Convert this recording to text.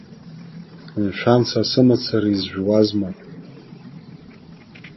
Мшәан, са сымацара изжәуазма?